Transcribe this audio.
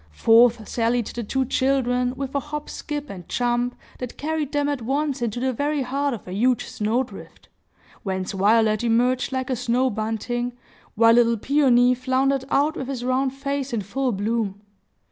Forth sallied the two children, with a hop skip and jump, that carried them at once into the very heart of a huge snow drift, whence Violet emerged like a snow bunting, while little Peony floundered out with his round face in full bloom.